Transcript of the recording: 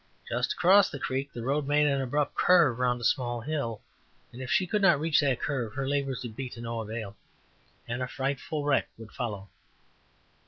Just across the creek the road made an abrupt curve around a small hill, and if she could not reach that curve her labors would be to no avail, and a frightful wreck would follow.